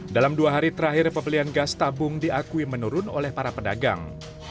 dalam dua hari terakhir pembelian gas tabung diakui menurun oleh para pedagang